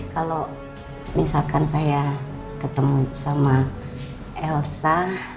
kalau misalkan saya ketemu sama elsa